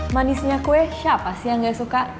manisnya kue siapa sih yang gak suka